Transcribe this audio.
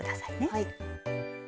はい。